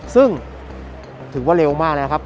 ซึ่งถือว่าเร็วมากนะครับ